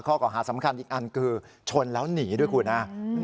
ก่อหาสำคัญอีกอันคือชนแล้วหนีด้วยคุณฮะ